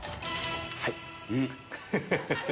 はい！